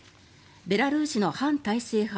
ベラルーシの反体制派